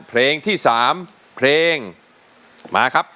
เพลงที่๓เพลงมาครับ